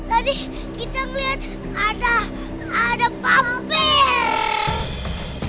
tadi kita ngeliat ada ada vampir